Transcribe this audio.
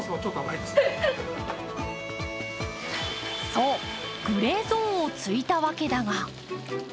そう、グレーゾーンを突いたわけだが。